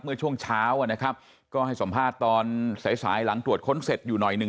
เมื่อช่วงเช้านะครับก็ให้สัมภาษณ์ตอนสายสายหลังตรวจค้นเสร็จอยู่หน่อยหนึ่ง